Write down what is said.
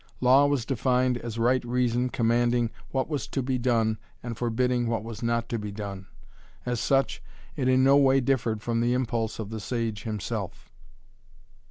Law was defined as right reason commanding what was to be done and forbidding what was not to be done. As such, it in no way differed from the impulse of the sage himself.